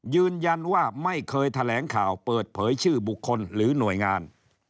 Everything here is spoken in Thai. ยืนยันว่าไม่เคยแถลงข่าวเปิดเผยชื่อบุคคลหรือหน่วยงาน